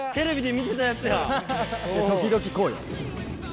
時々こうよ。